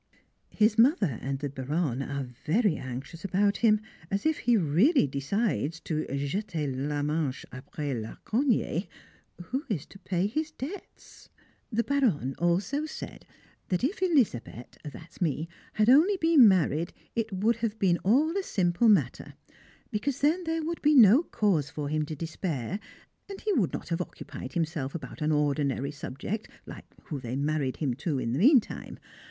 His mother and the Baronne are very anxious about him, as if he really decides to "jeter le manche après la cognée," who is to pay his debts! The Baronne also said, that if "Elisabet" (that's me) had only been married, it would have been all a simple matter; because then there would be no cause for him to despair, and he would not have occupied himself about an ordinary subject, like who they married him to in the meantime.